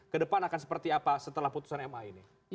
kedepan akan seperti apa setelah putusan ma ini